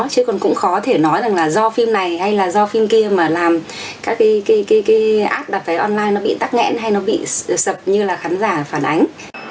chứ còn cũng khó thể nói rằng là do phim này hay là do phim kia mà làm các cái app đặt vé online nó bị tắc nghẽn hay nó bị sập như là khán giả phản ánh